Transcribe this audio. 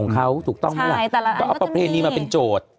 ประเพณีมาเป็นโจทย์